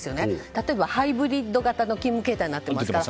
例えば、ハイブリッド型の勤務形態になってますよね。